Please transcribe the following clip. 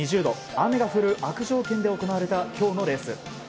雨が降る悪条件で行われた今日のレース。